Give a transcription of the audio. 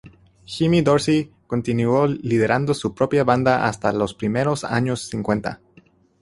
Jimmy Dorsey continuó liderando su propia banda hasta los primeros años cincuenta.